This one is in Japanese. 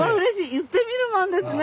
言ってみるもんですね。